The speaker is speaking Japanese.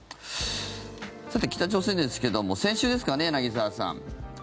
さて、北朝鮮ですけども先週ですかね、柳澤さん